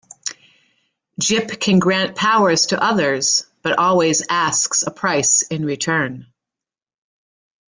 Jip can grant powers to others, but always asks a price in return.